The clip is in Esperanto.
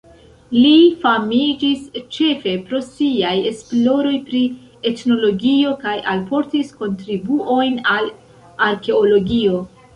Li famiĝis ĉefe pro siaj esploroj pri etnologio kaj alportis kontribuojn al arkeologio.